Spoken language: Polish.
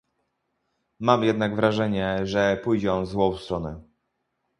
Mam jednak wrażenie, że pójdzie on w złą stronę